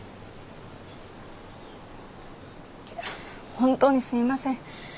本当にすみません。